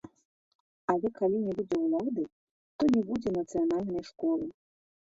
Але калі не будзе ўлады, то не будзе нацыянальнай школы.